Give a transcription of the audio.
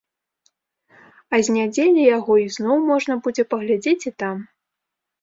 А з нядзелі яго ізноў можна будзе паглядзець і там.